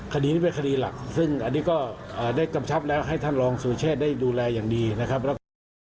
คดีนี้เป็นคดีหลักซึ่งอันนี้ก็ได้กำชับแล้วให้ท่านรองสุเชษได้ดูแลอย่างดีนะครับแล้วก็